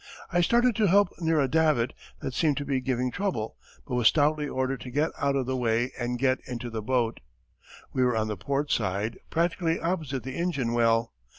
I started to help near a davit that seemed to be giving trouble, but was stoutly ordered to get out of the way and get into the boat. We were on the port side, practically opposite the engine well.